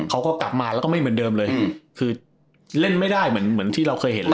เขาก็กลับมาแล้วก็ไม่เหมือนเดิมเลยคือเล่นไม่ได้เหมือนเหมือนที่เราเคยเห็นแล้ว